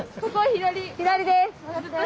左です。